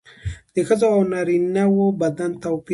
د ښځو او نارینه وو بدن توپیر لري